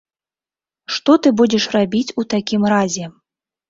Што ты будзеш рабіць у такім разе?